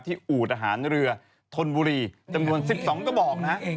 อูดอาหารเรือธนบุรีจำนวน๑๒กระบอกนะฮะ